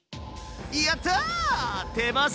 やった！